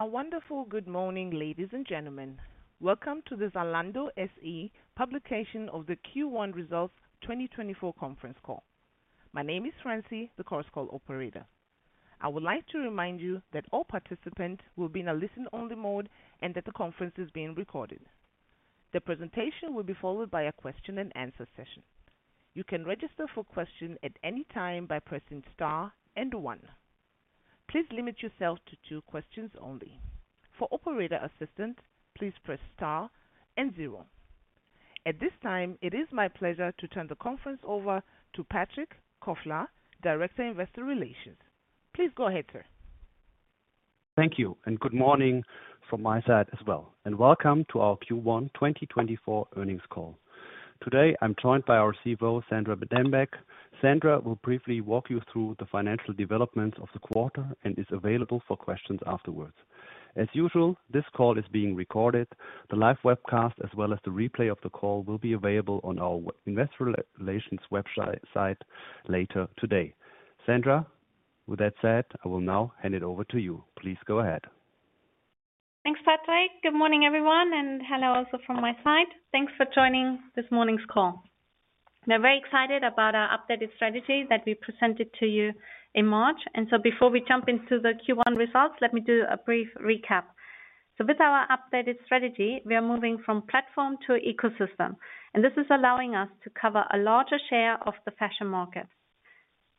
A wonderful good morning, ladies and gentlemen. Welcome to the Zalando SE publication of the Q1 Results 2024 Conference Call. My name is Francie, the conference operator. I would like to remind you that all participants will be in a listen-only mode and that the conference is being recorded. The presentation will be followed by a question-and-answer session. You can register for questions at any time by pressing star and one. Please limit yourself to two questions only. For operator assistance, please press star and zero. At this time, it is my pleasure to turn the conference over to Patrick Kofler, Director of Investor Relations. Please go ahead, sir. Thank you, and good morning from my side as well. Welcome to our Q1 2024 Earnings Call. Today, I'm joined by our CFO, Sandra Dembeck. Sandra will briefly walk you through the financial developments of the quarter and is available for questions afterwards. As usual, this call is being recorded. The live webcast as well as the replay of the call will be available on our Investor Relations website later today. Sandra, with that said, I will now hand it over to you. Please go ahead. Thanks, Patrick. Good morning, everyone. And hello also from my side. Thanks for joining this morning's call. We're very excited about our updated strategy that we presented to you in March. And so before we jump into the Q1 results, let me do a brief recap. So with our updated strategy, we are moving from platform to ecosystem. And this is allowing us to cover a larger share of the fashion market.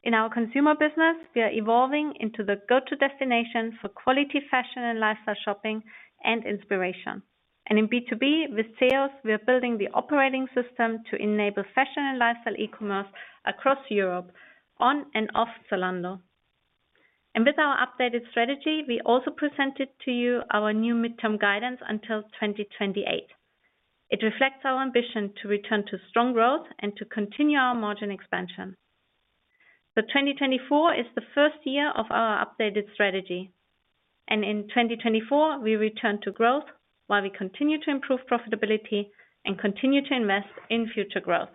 In our consumer business, we are evolving into the go-to destination for quality fashion and lifestyle shopping and inspiration. And in B2B, with ZEOS, we are building the operating system to enable fashion and lifestyle e-commerce across Europe, on and off Zalando. And with our updated strategy, we also presented to you our new midterm guidance until 2028. It reflects our ambition to return to strong growth and to continue our margin expansion. So 2024 is the first year of our updated strategy. In 2024, we return to growth while we continue to improve profitability and continue to invest in future growth.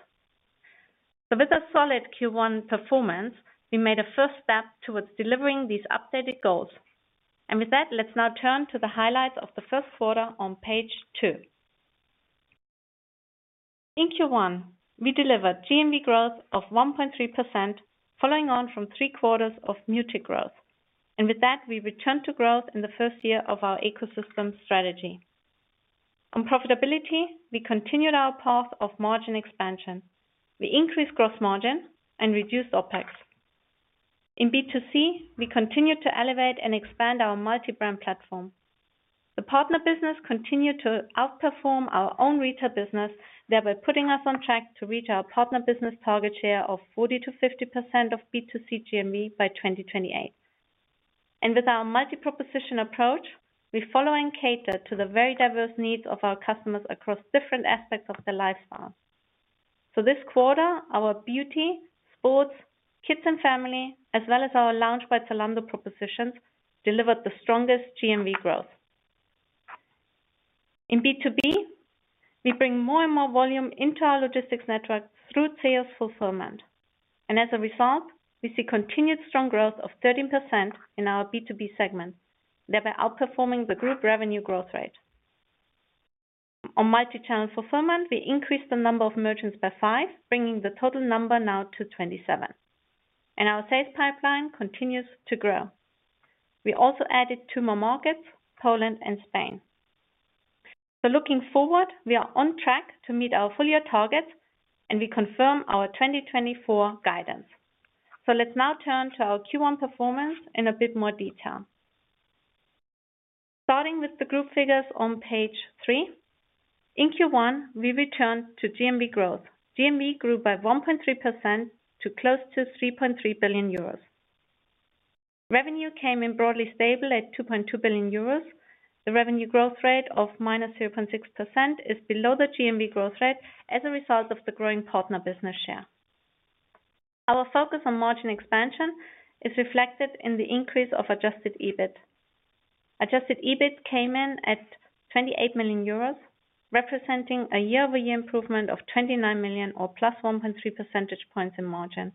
So with a solid Q1 performance, we made a first step towards delivering these updated goals. With that, let's now turn to the highlights of the first quarter on page two. In Q1, we delivered GMV growth of 1.3%, following on from three quarters of muted growth. With that, we returned to growth in the first year of our ecosystem strategy. On profitability, we continued our path of margin expansion. We increased gross margin and reduced OpEx. In B2C, we continued to elevate and expand our multi-brand platform. The partner business continued to outperform our own retail business, thereby putting us on track to reach our partner business target share of 40%-50% of B2C GMV by 2028. With our multi-proposition approach, we follow and cater to the very diverse needs of our customers across different aspects of their lifestyles. This quarter, our beauty, sports, kids and family, as well as our Lounge by Zalando propositions delivered the strongest GMV growth. In B2B, we bring more and more volume into our logistics network through ZEOS Fulfillment. As a result, we see continued strong growth of 13% in our B2B segment, thereby outperforming the group revenue growth rate. On Multichannel Fulfillment, we increased the number of merchants by five, bringing the total number now to 27. Our sales pipeline continues to grow. We also added two more markets, Poland and Spain. So looking forward, we are on track to meet our full-year targets and we confirm our 2024 guidance. So let's now turn to our Q1 performance in a bit more detail. Starting with the group figures on page three. In Q1, we returned to GMV growth. GMV grew by 1.3% to close to 3.3 billion euros. Revenue came in broadly stable at 2.2 billion euros. The revenue growth rate of -0.6% is below the GMV growth rate as a result of the growing partner business share. Our focus on margin expansion is reflected in the increase of adjusted EBIT. Adjusted EBIT came in at 28 million euros, representing a year-over-year improvement of 29 million or +1.3 percentage points in margin.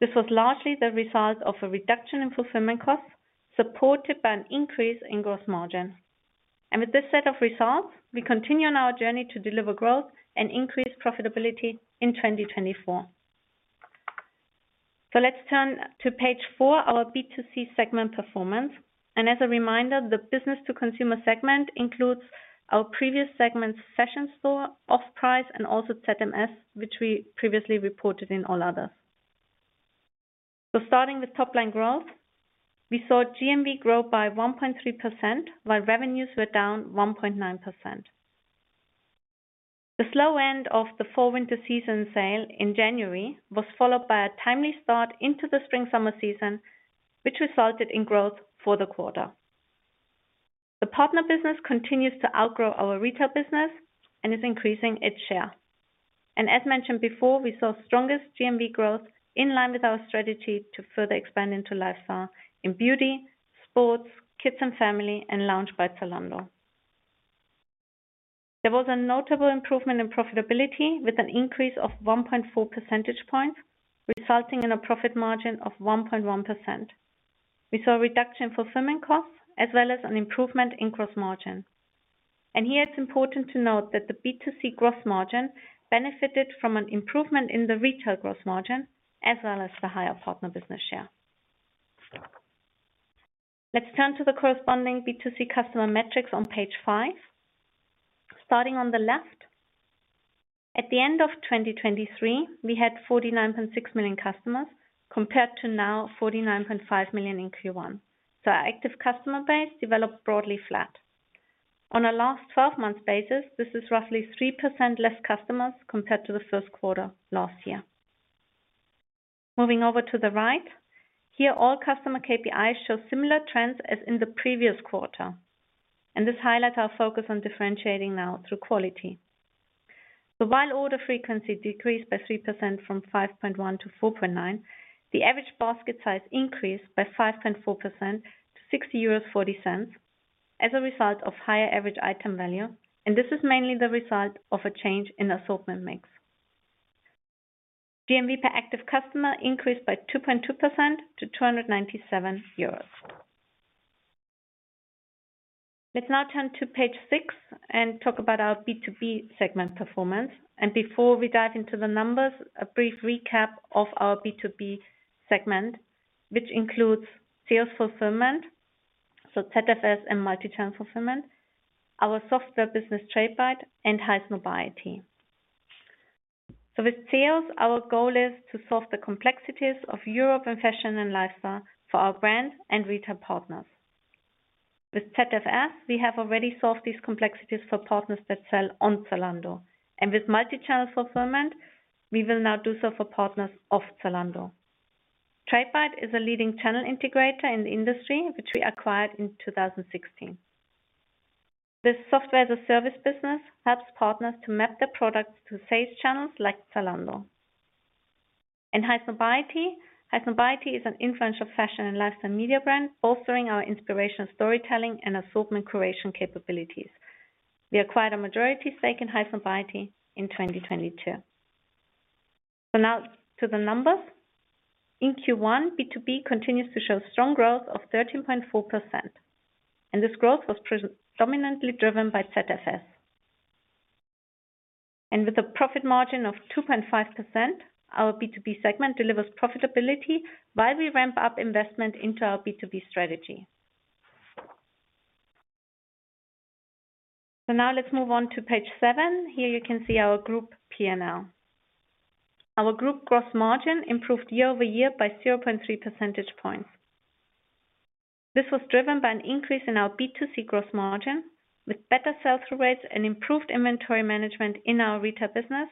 This was largely the result of a reduction in fulfillment costs supported by an increase in gross margin. With this set of results, we continue on our journey to deliver growth and increase profitability in 2024. Let's turn to page four, our B2C segment performance. As a reminder, the business-to-consumer segment includes our previous segment's Fashion Store, Offprice, and also ZMS, which we previously reported in all others. Starting with top-line growth, we saw GMV grow by 1.3% while revenues were down 1.9%. The slow end of the fall-winter season sale in January was followed by a timely start into the spring-summer season, which resulted in growth for the quarter. The partner business continues to outgrow our retail business and is increasing its share. As mentioned before, we saw strongest GMV growth in line with our strategy to further expand into lifestyle in beauty, sports, kids and family, and Lounge by Zalando. There was a notable improvement in profitability with an increase of 1.4 percentage points, resulting in a profit margin of 1.1%. We saw a reduction in fulfillment costs as well as an improvement in gross margin. And here it's important to note that the B2C gross margin benefited from an improvement in the retail gross margin as well as the higher partner business share. Let's turn to the corresponding B2C customer metrics on page five. Starting on the left, at the end of 2023, we had 49.6 million customers compared to now 49.5 million in Q1. So our active customer base developed broadly flat. On a last 12-month basis, this is roughly 3% less customers compared to the first quarter last year. Moving over to the right, here, all customer KPIs show similar trends as in the previous quarter. This highlights our focus on differentiating now through quality. So while order frequency decreased by 3% from 5.1 to 4.9, the average basket size increased by 5.4% to 60.40 euros as a result of higher average item value. This is mainly the result of a change in assortment mix. GMV per active customer increased by 2.2% to 297 euros. Let's now turn to page six and talk about our B2B segment performance. Before we dive into the numbers, a brief recap of our B2B segment, which includes ZEOS fulfillment, so ZFS and Multichannel Fulfillment, our software business Tradebyte, and Highsnobiety. So with ZEOS, our goal is to solve the complexities of European fashion and lifestyle for our brand and retail partners. With ZFS, we have already solved these complexities for partners that sell on Zalando. With Multichannel Fulfillment, we will now do so for partners off Zalando. Tradebyte is a leading channel integrator in the industry, which we acquired in 2016. This software-as-a-service business helps partners to map their products to sales channels like Zalando. And Highsnobiety is an influential fashion and lifestyle media brand bolstering our inspirational storytelling and assortment creation capabilities. We acquired a majority stake in Highsnobiety in 2022. So now to the numbers. In Q1, B2B continues to show strong growth of 13.4%. And this growth was predominantly driven by ZFS. And with a profit margin of 2.5%, our B2B segment delivers profitability while we ramp up investment into our B2B strategy. So now let's move on to page seven. Here, you can see our group P&L. Our group gross margin improved year-over-year by 0.3 percentage points. This was driven by an increase in our B2C gross margin with better sell-through rates and improved inventory management in our retail business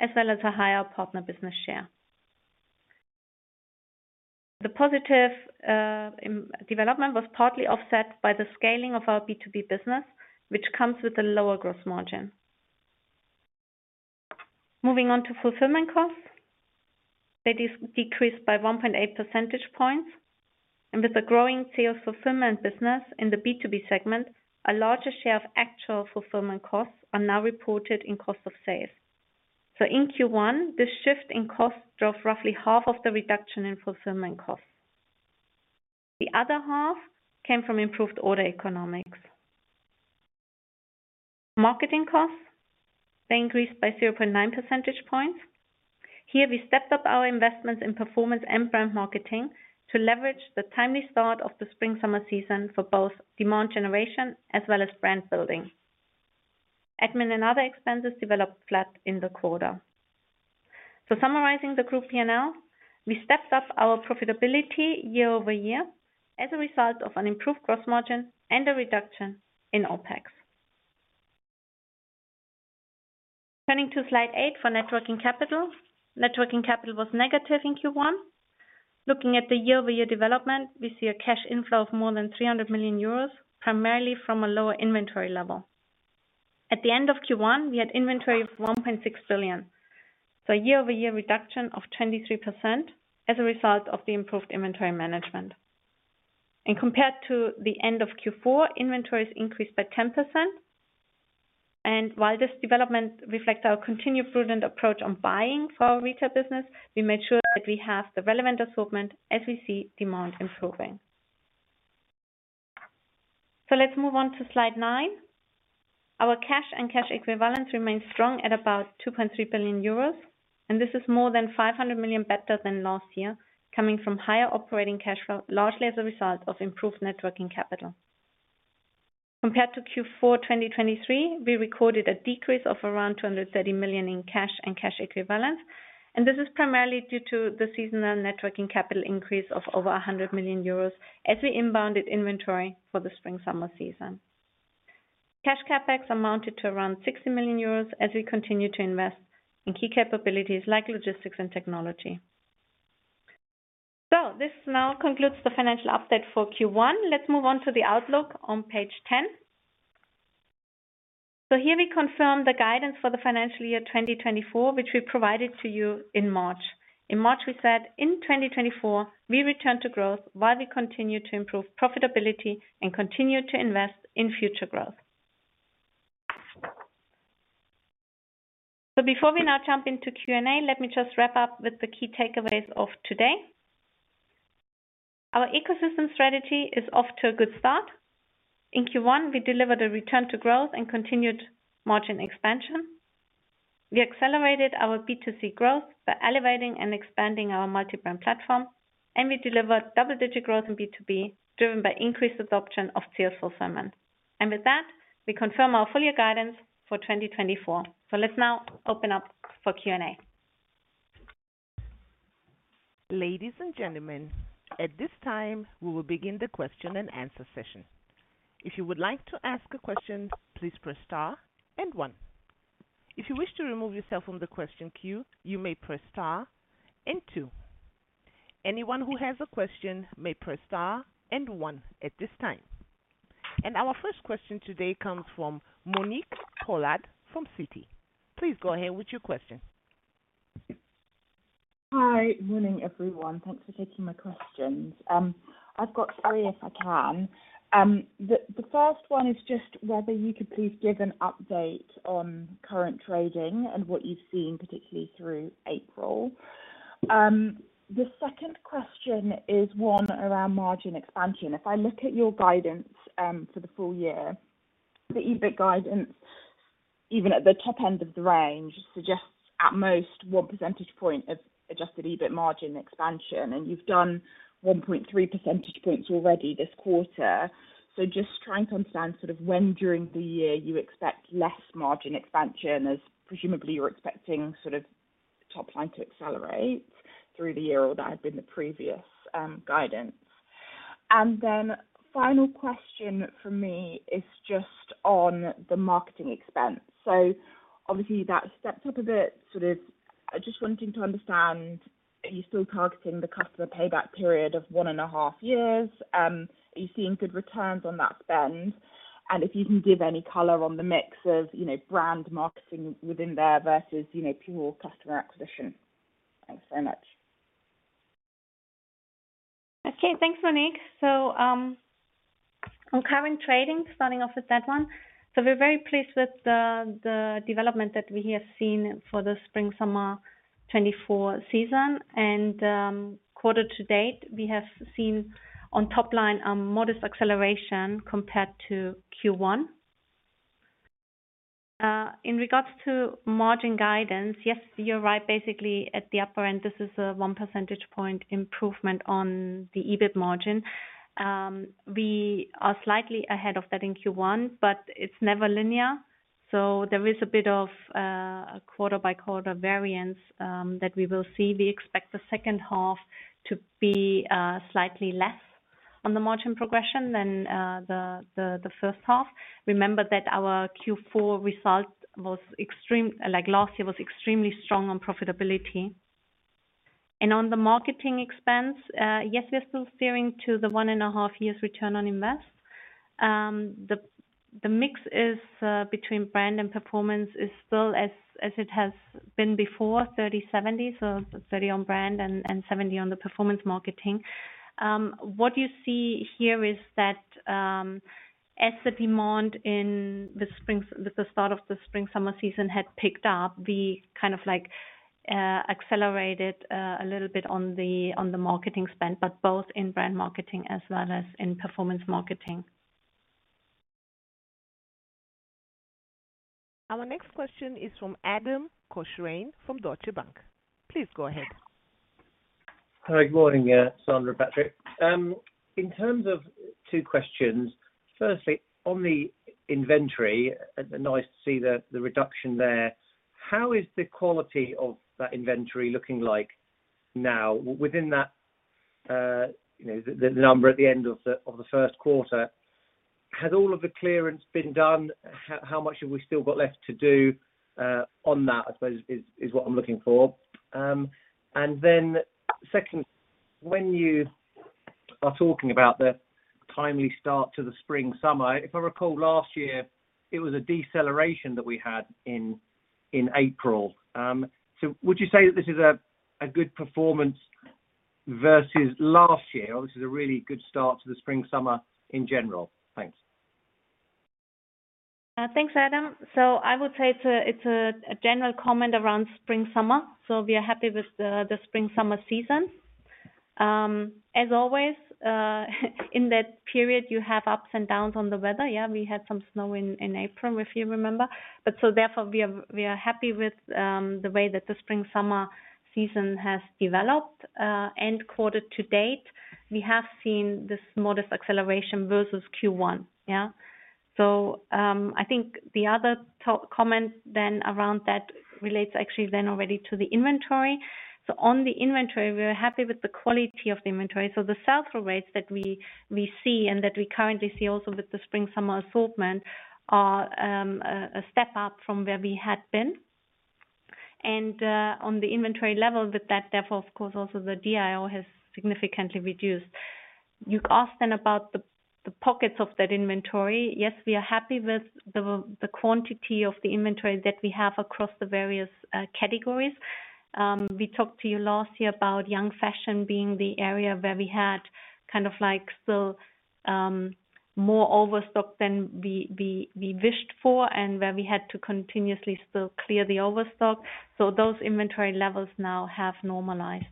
as well as a higher partner business share. The positive development was partly offset by the scaling of our B2B business, which comes with a lower gross margin. Moving on to fulfillment costs. They decreased by 1.8 percentage points. With a growing self-fulfillment business in the B2B segment, a larger share of actual fulfillment costs are now reported in cost of sales. In Q1, this shift in costs drove roughly half of the reduction in fulfillment costs. The other half came from improved order economics. Marketing costs. They increased by 0.9 percentage points. Here, we stepped up our investments in performance and brand marketing to leverage the timely start of the spring-summer season for both demand generation as well as brand building. Admin and other expenses developed flat in the quarter. So summarizing the group P&L, we stepped up our profitability year-over-year as a result of an improved gross margin and a reduction in OpEx. Turning to slide eight for net working capital. Net working capital was negative in Q1. Looking at the year-over-year development, we see a cash inflow of more than 300 million euros, primarily from a lower inventory level. At the end of Q1, we had inventory of 1.6 billion. So a year-over-year reduction of 23% as a result of the improved inventory management. And compared to the end of Q4, inventories increased by 10%. And while this development reflects our continued prudent approach on buying for our retail business, we made sure that we have the relevant assortment as we see demand improving. So let's move on to slide nine. Our cash and cash equivalents remain strong at about 2.3 billion euros. This is more than 500 million better than last year, coming from higher operating cash flow, largely as a result of improved net working capital. Compared to Q4 2023, we recorded a decrease of around 230 million in cash and cash equivalents. This is primarily due to the seasonal net working capital increase of over 100 million euros as we inbounded inventory for the spring-summer season. Cash CapEx amounted to around 60 million euros as we continue to invest in key capabilities like logistics and technology. This now concludes the financial update for Q1. Let's move on to the outlook on page 10. Here we confirm the guidance for the financial year 2024, which we provided to you in March. In March, we said, "In 2024, we return to growth while we continue to improve profitability and continue to invest in future growth." So before we now jump into Q&A, let me just wrap up with the key takeaways of today. Our ecosystem strategy is off to a good start. In Q1, we delivered a return to growth and continued margin expansion. We accelerated our B2C growth by elevating and expanding our multi-brand platform. And we delivered double-digit growth in B2B driven by increased adoption of ZEOS fulfillment. And with that, we confirm our full-year guidance for 2024. So let's now open up for Q&A. Ladies and gentlemen, at this time, we will begin the question and answer session. If you would like to ask a question, please press star and one. If you wish to remove yourself from the question queue, you may press star and two. Anyone who has a question may press star and one at this time. And our first question today comes from Monique Pollard from Citi. Please go ahead with your question. Hi, morning, everyone. Thanks for taking my questions. I've got three if I can. The first one is just whether you could please give an update on current trading and what you've seen, particularly through April. The second question is one around margin expansion. If I look at your guidance, for the full year, the EBIT guidance, even at the top end of the range, suggests at most 1 percentage point of adjusted EBIT margin expansion. And you've done 1.3 percentage points already this quarter. So just trying to understand sort of when during the year you expect less margin expansion as presumably you're expecting sort of top-line to accelerate through the year or that had been the previous guidance. And then final question from me is just on the marketing expense. So obviously, that stepped up a bit, sort of just wanting to understand, are you still targeting the customer payback period of 1.5 years? Are you seeing good returns on that spend? And if you can give any color on the mix of, you know, brand marketing within there versus, you know, pure customer acquisition. Thanks very much. Okay. Thanks, Monique. So, on current trading, starting off with that one. So we're very pleased with the development that we have seen for the spring-summer 2024 season. And, quarter to date, we have seen on top line, modest acceleration compared to Q1. In regards to margin guidance, yes, you're right. Basically, at the upper end, this is a 1 percentage point improvement on the EBIT margin. We are slightly ahead of that in Q1, but it's never linear. So there is a bit of quarter-by-quarter variance that we will see. We expect the second half to be slightly less on the margin progression than the first half. Remember that our Q4 result was extreme, like last year was extremely strong on profitability. And on the marketing expense, yes, we are still steering to the 1.5 years return on investment. The mix is between brand and performance is still as it has been before, 30/70. So 30 on brand and 70 on the performance marketing. What you see here is that, as the demand in the spring, with the start of the spring-summer season had picked up, we kind of, like, accelerated a little bit on the marketing spend, but both in brand marketing as well as in performance marketing. Our next question is from Adam Cochrane from Deutsche Bank. Please go ahead. Hi, good morning, Sandra and Patrick. In terms of two questions, firstly, on the inventory, nice to see the reduction there. How is the quality of that inventory looking like now within that, you know, the number at the end of the first quarter? Has all of the clearance been done? How much have we still got left to do on that? I suppose that is what I'm looking for. And then second, when you are talking about the timely start to the spring-summer, if I recall last year, it was a deceleration that we had in April. So would you say that this is a good performance versus last year, or this is a really good start to the spring-summer in general? Thanks. Thanks, Adam. So I would say it's a general comment around spring-summer. So we are happy with the spring-summer season. As always, in that period, you have ups and downs on the weather. Yeah, we had some snow in April, if you remember. But so therefore, we are happy with the way that the spring-summer season has developed. And quarter to date, we have seen this modest acceleration versus Q1. Yeah? So, I think the other to comment then around that relates actually then already to the inventory. So on the inventory, we are happy with the quality of the inventory. So the sell-through rates that we see and that we currently see also with the spring-summer assortment are a step up from where we had been. On the inventory level with that, therefore, of course, also the DIO has significantly reduced. You asked then about the pockets of that inventory. Yes, we are happy with the quantity of the inventory that we have across the various categories. We talked to you last year about young fashion being the area where we had kind of, like, still, more overstock than we wished for and where we had to continuously still clear the overstock. So those inventory levels now have normalized.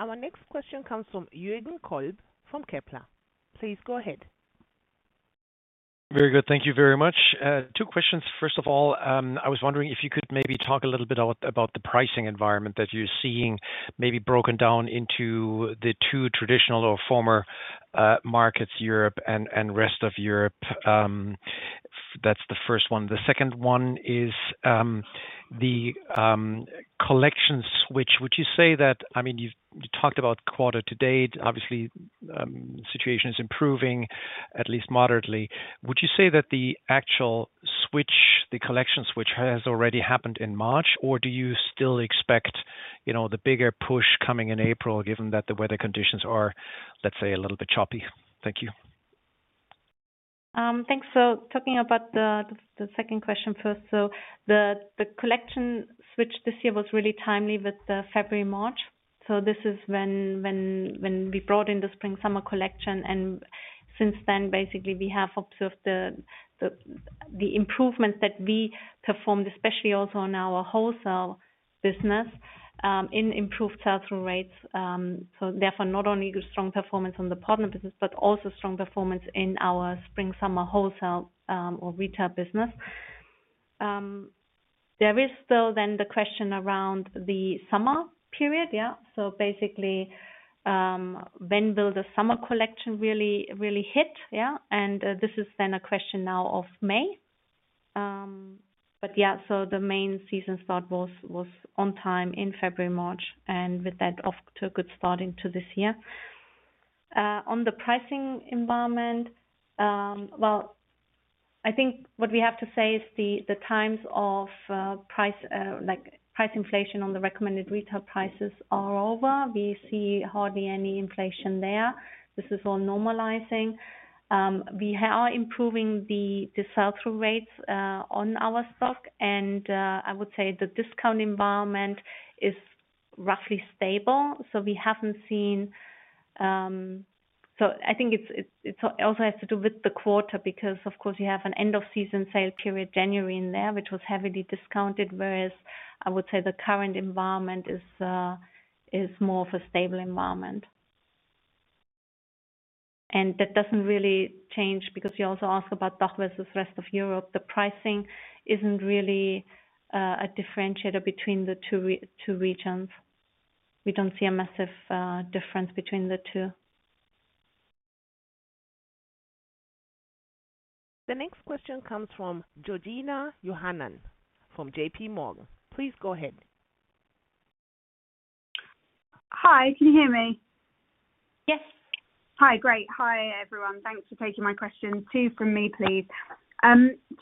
Our next question comes from Jürgen Kolb from Kepler. Please go ahead. Very good. Thank you very much. Two questions. First of all, I was wondering if you could maybe talk a little bit about the pricing environment that you're seeing maybe broken down into the two traditional or former markets, Germany and rest of Europe. That's the first one. The second one is the collection switch. Would you say that I mean, you've you talked about quarter to date. Obviously, situation is improving, at least moderately. Would you say that the actual switch, the collection switch, has already happened in March, or do you still expect, you know, the bigger push coming in April given that the weather conditions are, let's say, a little bit choppy? Thank you. Thanks. So talking about the second question first. So the collection switch this year was really timely with the February-March. So this is when we brought in the spring-summer collection. And since then, basically, we have observed the improvements that we performed, especially also on our wholesale business, in improved sell-through rates. So therefore, not only strong performance on the partner business, but also strong performance in our spring-summer wholesale, or retail business. There is still then the question around the summer period. Yeah? So basically, when will the summer collection really hit? Yeah? And this is then a question now of May. But yeah, so the main season start was on time in February-March. And with that, off to a good start into this year. On the pricing environment, well, I think what we have to say is the times of price, like, price inflation on the recommended retail prices are over. We see hardly any inflation there. This is all normalizing. We are improving the sell-through rates on our stock. And I would say the discount environment is roughly stable. So we haven't seen, so I think it's it also has to do with the quarter because of course you have an end-of-season sale period, January, in there, which was heavily discounted. Whereas I would say the current environment is more of a stable environment. And that doesn't really change because you also ask about DACH versus rest of Europe. The pricing isn't really a differentiator between the two regions. We don't see a massive difference between the two. The next question comes from Georgina Johanan from JPMorgan. Please go ahead. Hi. Can you hear me? Yes. Hi. Great. Hi, everyone. Thanks for taking my question. Two from me, please.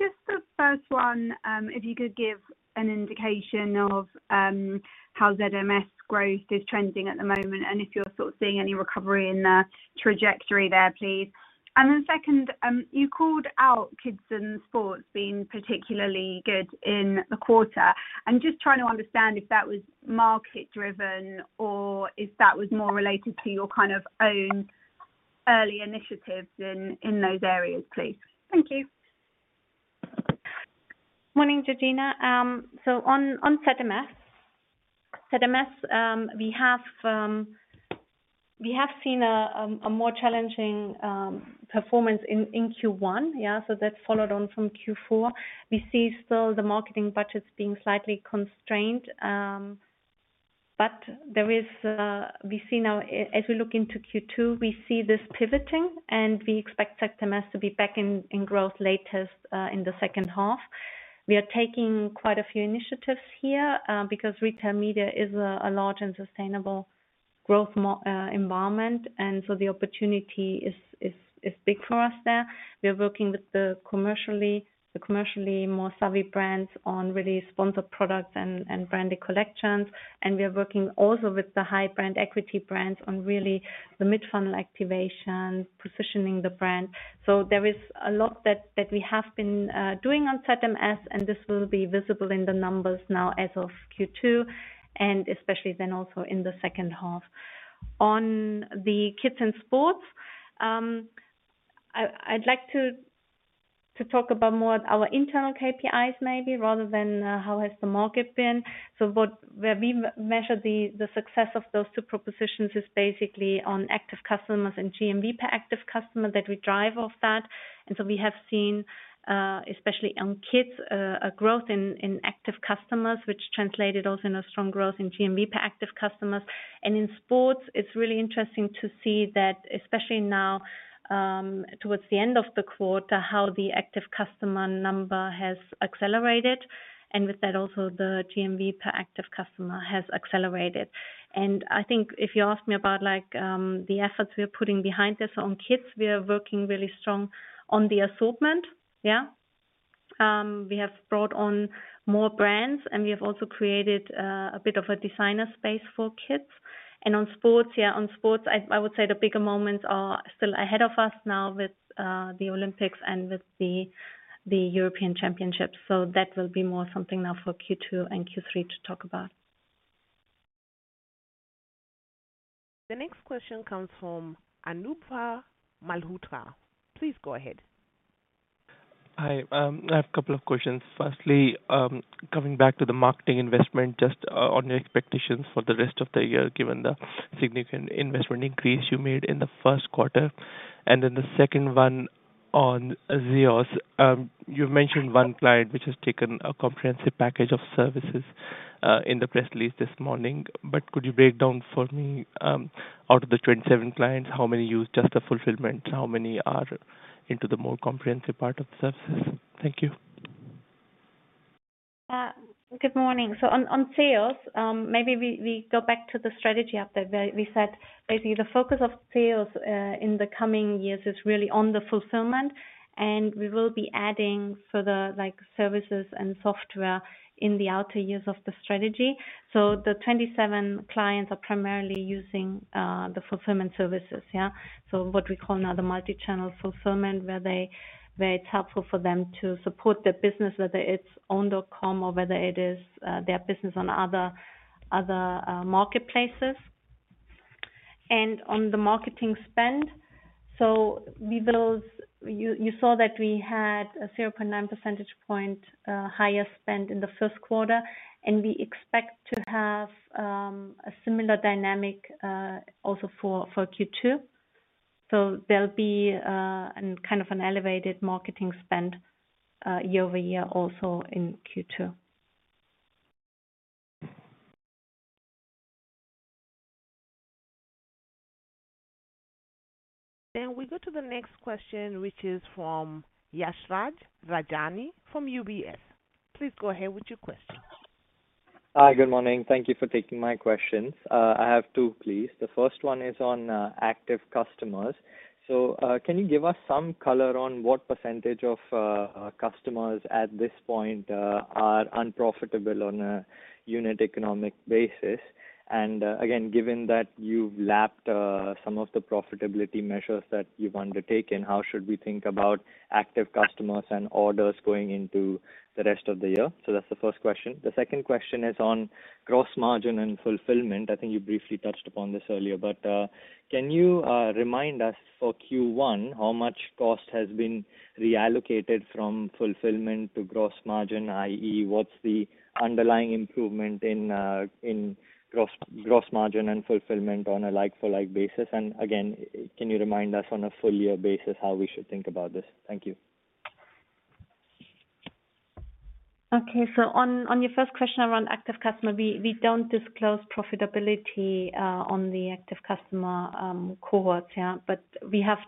Just the first one, if you could give an indication of how ZMS growth is trending at the moment and if you're sort of seeing any recovery in the trajectory there, please. And then second, you called out kids and sports being particularly good in the quarter. I'm just trying to understand if that was market-driven or if that was more related to your kind of own early initiatives in those areas, please. Thank you. Morning, Georgina. So on ZMS, we have seen a more challenging performance in Q1. Yeah? So that followed on from Q4. We see still the marketing budgets being slightly constrained. But there is, we see now, as we look into Q2, we see this pivoting. We expect ZMS to be back in growth latest in the second half. We are taking quite a few initiatives here, because retail media is a large and sustainable growth moat environment. So the opportunity is big for us there. We are working with the commercially more savvy brands on really sponsored products and branded collections. We are working also with the high-brand equity brands on really the mid-funnel activation, positioning the brand. So there is a lot that we have been doing on ZMS. This will be visible in the numbers now as of Q2 and especially then also in the second half. On the kids and sports, I'd like to talk about more our internal KPIs maybe rather than how the market has been. So, what we measure the success of those two propositions is basically on active customers and GMV per active customer that we drive off that. And so we have seen, especially on kids, a growth in active customers, which translated also in a strong growth in GMV per active customers. And in sports, it's really interesting to see that especially now, towards the end of the quarter, how the active customer number has accelerated. And with that, also the GMV per active customer has accelerated. And I think if you ask me about, like, the efforts we are putting behind this. So on kids, we are working really strong on the assortment. Yeah, we have brought on more brands. And we have also created a bit of a designer space for kids. And on sports, yeah, on sports, I would say the bigger moments are still ahead of us now with the Olympics and with the European Championships. So that will be more something now for Q2 and Q3 to talk about. The next question comes from Anubhav Malhotra. Please go ahead. Hi. I have a couple of questions. Firstly, coming back to the marketing investment, just on your expectations for the rest of the year given the significant investment increase you made in the first quarter. And then the second one on ZEOS. You've mentioned one client which has taken a comprehensive package of services in the press release this morning. But could you break down for me out of the 27 clients, how many use just the fulfillment? How many are into the more comprehensive part of the services? Thank you. Good morning. So on ZEOS, maybe we go back to the strategy up there where we said basically the focus of ZEOS, in the coming years is really on the fulfillment. And we will be adding further, like, services and software in the outer years of the strategy. So the 27 clients are primarily using the fulfillment services. Yeah? So what we call now the Multichannel Fulfillment where it's helpful for them to support their business, whether it's on dot com or whether it is their business on other marketplaces. And on the marketing spend, so you saw that we had a 0.9 percentage point higher spend in the first quarter. And we expect to have a similar dynamic also for Q2. So there'll be a kind of an elevated marketing spend, year-over-year also in Q2. Then we go to the next question, which is from Yashraj Rajani from UBS. Please go ahead with your question. Hi. Good morning. Thank you for taking my questions. I have two, please. The first one is on active customers. So, can you give us some color on what percentage of customers at this point are unprofitable on a unit economic basis? And again, given that you've lapped some of the profitability measures that you've undertaken, how should we think about active customers and orders going into the rest of the year? So that's the first question. The second question is on gross margin and fulfillment. I think you briefly touched upon this earlier. But, can you, remind us for Q1 how much cost has been reallocated from fulfillment to gross margin, i.e., what's the underlying improvement in, in gross, gross margin and fulfillment on a like-for-like basis? And again, can you remind us on a full-year basis how we should think about this? Thank you. Okay. So on, on your first question around active customer, we, we don't disclose profitability, on the active customer, cohorts. Yeah? But we have,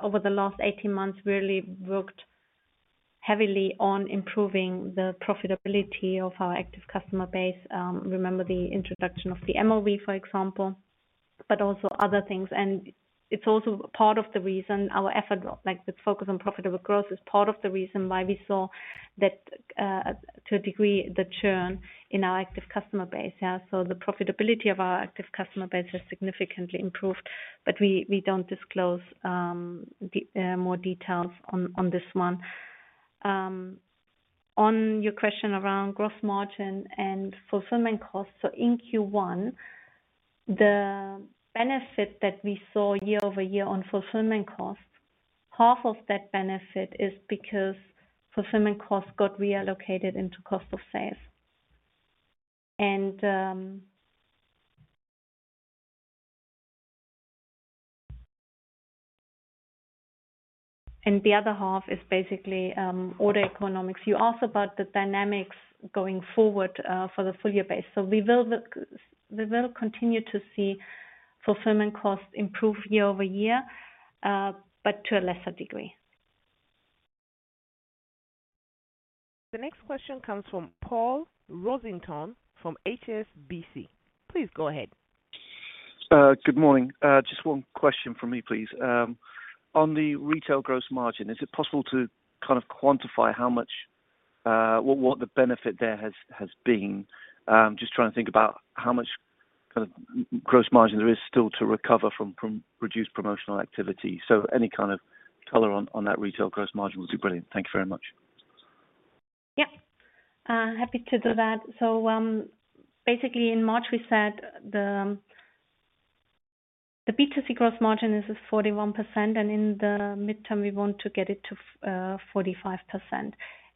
over the last 18 months, really worked heavily on improving the profitability of our active customer base. Remember the introduction of the MOV, for example, but also other things. And it's also part of the reason our effort, like, with focus on profitable growth is part of the reason why we saw that, to a degree, the churn in our active customer base. Yeah? So the profitability of our active customer base has significantly improved. But we don't disclose more details on this one. On your question around gross margin and fulfillment cost, so in Q1, the benefit that we saw year-over-year on fulfillment cost, half of that benefit is because fulfillment cost got reallocated into cost of sales. And the other half is basically order economics. You asked about the dynamics going forward, for the full-year basis. So we will continue to see fulfillment cost improve year-over-year, but to a lesser degree. The next question comes from Paul Rossington from HSBC. Please go ahead. Good morning. Just one question from me, please. On the retail gross margin, is it possible to kind of quantify how much, what the benefit there has been? Just trying to think about how much kind of gross margin there is still to recover from, from reduced promotional activity. So any kind of color on, on that retail gross margin would be brilliant. Thank you very much. Yep. Happy to do that. So, basically, in March, we said the, the B2C gross margin is, is 41%. And in the midterm, we want to get it to, 45%.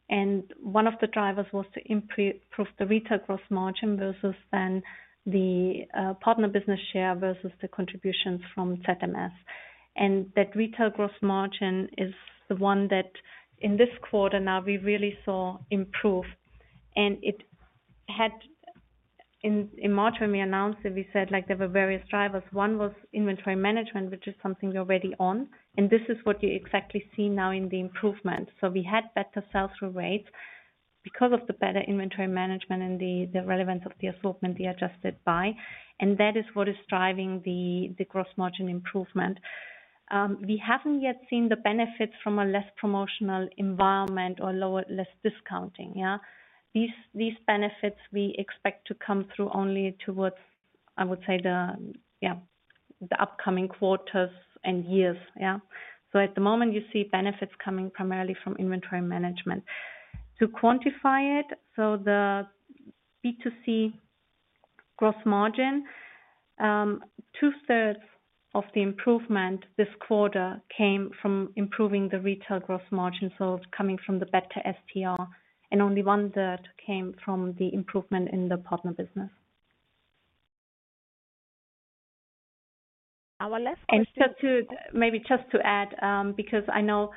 And one of the drivers was to improve the retail gross margin versus then the, partner business share versus the contributions from ZMS. And that retail gross margin is the one that, in this quarter now, we really saw improve. And it had in, in March, when we announced it, we said, like, there were various drivers. One was inventory management, which is something we're already on. And this is what you exactly see now in the improvement. So we had better sell-through rates because of the better inventory management and the relevance of the assortment they adjusted by. And that is what is driving the gross margin improvement. We haven't yet seen the benefits from a less promotional environment or lower, less discounting. Yeah? These benefits, we expect to come through only towards, I would say, the upcoming quarters and years. Yeah? So at the moment, you see benefits coming primarily from inventory management. To quantify it, so the B2C gross margin, 2/3 of the improvement this quarter came from improving the retail gross margin, so coming from the better STR. And only 1/3 came from the improvement in the partner business. Our last question. And just to maybe just to add, because I know,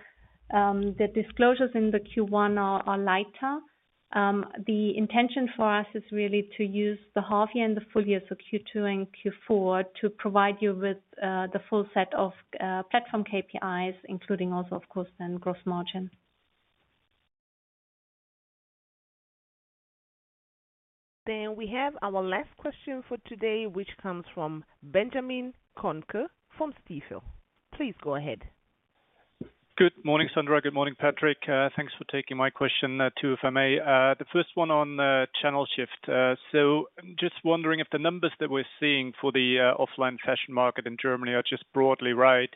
the disclosures in the Q1 are lighter, the intention for us is really to use the half-year and the full-year, so Q2 and Q4, to provide you with the full set of platform KPIs, including also, of course, then gross margin. Then we have our last question for today, which comes from Benjamin Kohnke from Stifel. Please go ahead. Good morning, Sandra. Good morning, Patrick. Thanks for taking my question, too, if I may. The first one on channel shift. So just wondering if the numbers that we're seeing for the offline fashion market in Germany are just broadly right.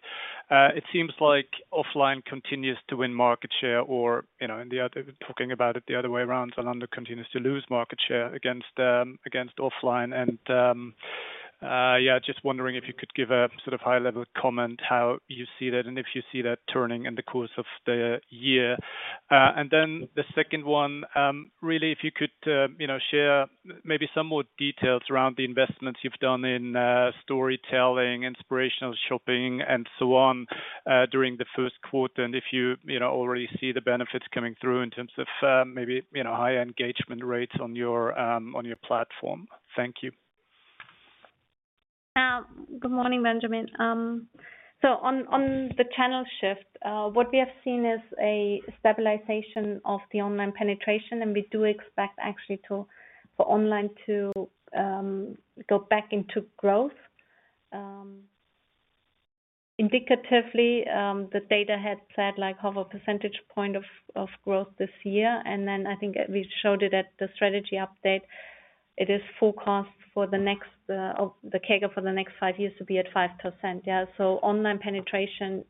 It seems like offline continues to win market share or, you know, in the other talking about it the other way around, Zalando continues to lose market share against offline. Yeah, just wondering if you could give a sort of high-level comment how you see that and if you see that turning in the course of the year. And then the second one, really, if you could, you know, share maybe some more details around the investments you've done in storytelling, inspirational shopping, and so on, during the first quarter and if you, you know, already see the benefits coming through in terms of, maybe, you know, higher engagement rates on your, on your platform. Thank you. Good morning, Benjamin. So on, on the channel shift, what we have seen is a stabilization of the online penetration. And we do expect actually for online to go back into growth. Indicatively, the data had said, like, 0.5 percentage points of growth this year. And then I think we showed it at the strategy update. It is forecast for the next, the CAGR for the next five years to be at 5%. Yeah? So online penetration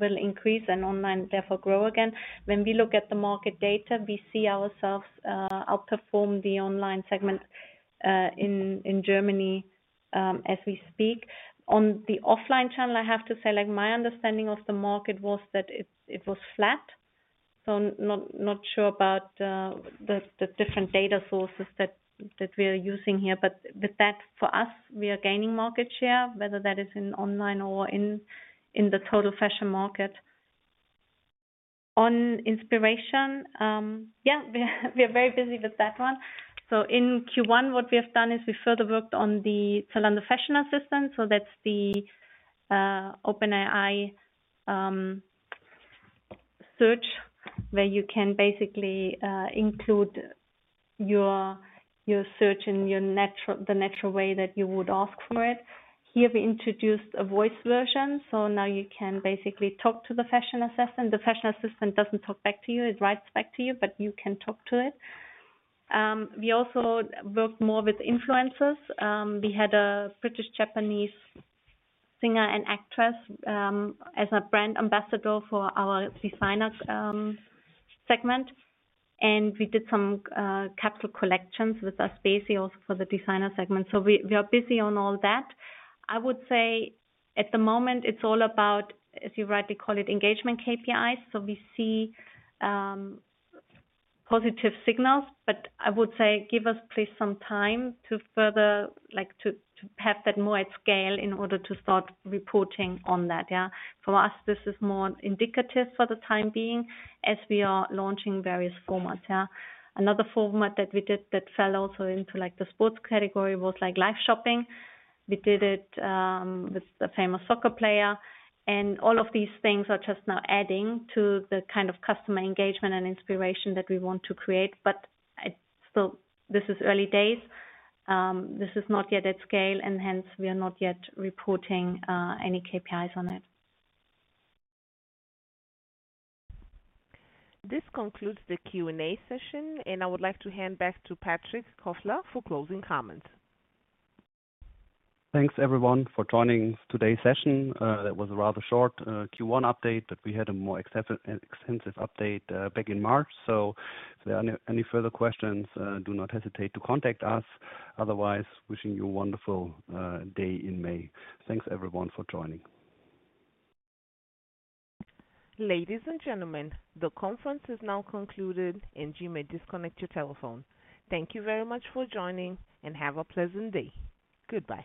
will increase and online, therefore, grow again. When we look at the market data, we see ourselves outperform the online segment in Germany, as we speak. On the offline channel, I have to say, like, my understanding of the market was that it was flat. So not sure about the different data sources that we are using here. But with that, for us, we are gaining market share, whether that is in online or in the total fashion market. On inspiration, yeah, we're very busy with that one. So in Q1, what we have done is we further worked on the Zalando Fashion Assistant. So that's the OpenAI search where you can basically include your search in your natural way that you would ask for it. Here, we introduced a voice version. So now you can basically talk to the fashion assistant. The fashion assistant doesn't talk back to you. It writes back to you. But you can talk to it. We also worked more with influencers. We had a British-Japanese singer and actress as a brand ambassador for our designer segment. And we did some capsule collections with Aspesi also for the designer segment. So we are busy on all that. I would say at the moment, it's all about, as you rightly call it, engagement KPIs. So we see positive signals. But I would say give us, please, some time to further like to have that more at scale in order to start reporting on that. Yeah? For us, this is more indicative for the time being as we are launching various formats. Yeah? Another format that we did that fell also into, like, the sports category was, like, live shopping. We did it, with a famous soccer player. And all of these things are just now adding to the kind of customer engagement and inspiration that we want to create. But it still this is early days. This is not yet at scale. And hence, we are not yet reporting any KPIs on it. This concludes the Q&A session. And I would like to hand back to Patrick Kofler for closing comments. Thanks, everyone, for joining today's session. That was a rather short Q1 update. But we had a more extensive update back in March. So if there are any further questions, do not hesitate to contact us. Otherwise, wishing you a wonderful day in May. Thanks, everyone, for joining. Ladies and gentlemen, the conference is now concluded. You may disconnect your telephone. Thank you very much for joining. Have a pleasant day. Goodbye.